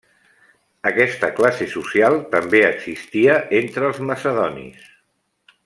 Aquesta classe social també existia entre els macedonis.